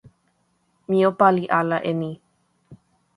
mi o pali ala e ni.